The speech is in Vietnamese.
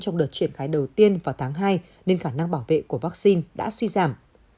trong đợt triển khai đầu tiên vào tháng hai nên khả năng bảo vệ của vaccine đã suy giảm